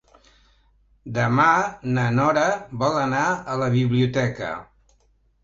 Demà na Nora vol anar a la biblioteca.